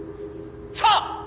「さあ！」